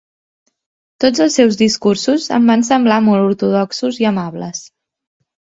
Tots els seus discursos em van semblar molt ortodoxos i amables.